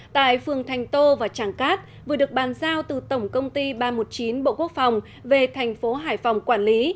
tại phường thành tô và tràng cát vừa được bàn giao từ tổng công ty ba trăm một mươi chín bộ quốc phòng về thành phố hải phòng quản lý